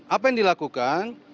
apa yang dilakukan